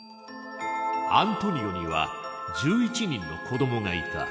アントニオには１１人の子どもがいた。